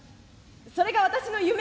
それが私の夢」。